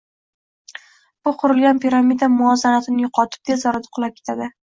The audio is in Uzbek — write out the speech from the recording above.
Bu qurilgan piramida muvozanatini yo’qotib tez orada qulab ketadi.